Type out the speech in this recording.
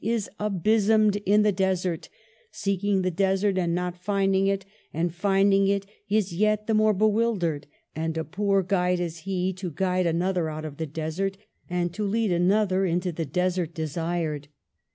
is abysmed in the desert; seeking the desert and not finding it; and, finding it, is yet the more bewildered ; and a poor guide is he to guide another out of the desert, and to lead another into the desert desired.